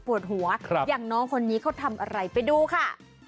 หัวอย่างน้องคนนี้เขาทำอะไรไปดูค่ะ